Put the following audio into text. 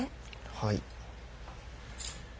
はい。